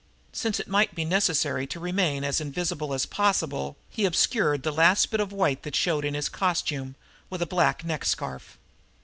Since it might be necessary to remain as invisible as possible, he obscured the last bit of white that showed in his costume, with a black neck scarf.